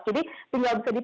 jadi tinggal sedikit